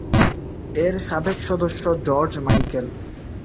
এর সাবেক সদস্য জর্জ মাইকেল।